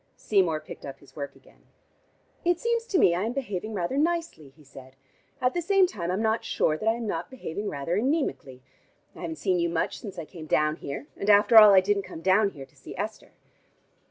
Seymour picked up his work again. "It seems to me I am behaving rather nicely," he said. "At the same time I'm not sure that I am not behaving rather anemically. I haven't seen you much since I came down here. And after all I didn't come down here to see Esther."